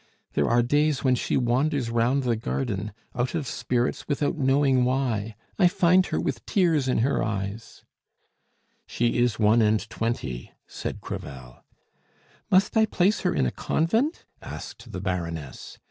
There are days when she wanders round the garden, out of spirits without knowing why; I find her with tears in her eyes " "She is one and twenty," said Crevel. "Must I place her in a convent?" asked the Baroness.